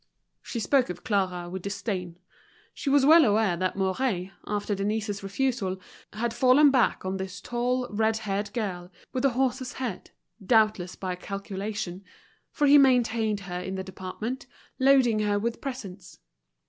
She spoke of Clara with disdain. She was well aware that Mouret, after Denise's refusal, had fallen back on this tall, red haired girl, with the horse's head, doubtless by calculation; for he maintained her in the department, loading her with presents.